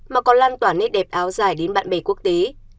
mà còn lan tỏa nét đẹp áo dài đến bạn bè quốc tế